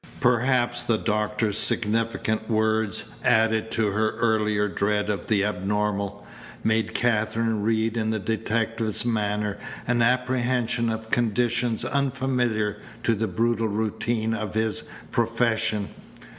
Perhaps the doctor's significant words, added to her earlier dread of the abnormal, made Katherine read in the detective's manner an apprehension of conditions unfamiliar to the brutal routine of his profession.